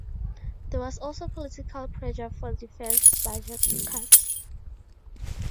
There was also political pressure for defence budget cuts.